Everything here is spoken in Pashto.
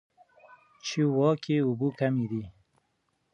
چیواوا کې اوبه کمې دي.